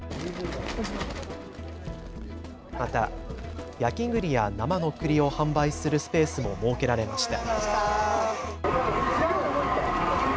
また焼きぐりや生のくりを販売するスペースも設けられました。